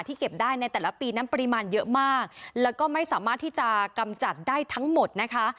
เก็บได้ในแต่ละปีนั้นปริมาณเยอะมากแล้วก็ไม่สามารถที่จะกำจัดได้ทั้งหมดนะคะ